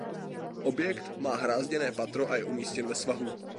Objekt má hrázděné patro a je umístěn ve svahu.